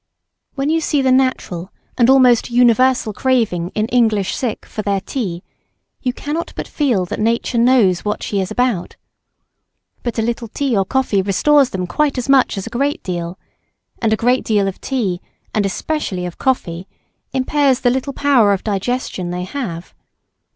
When you see the natural and almost universal craving in English sick for their "tea," you cannot but feel that nature knows what she is about. But a little tea or coffee restores them quite as much as a great deal, and a great deal of tea and especially of coffee impairs the little power of digestion they have.